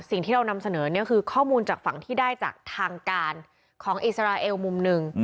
สิ่งที่เรานำเสนอเนี่ยคือข้อมูลจากฝั่งที่ได้จากทางการของอิสราเอลมุมหนึ่ง